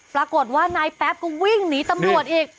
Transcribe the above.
ปรากฏว่านายแป๊บก็วิ่งหนีตำรวจอีก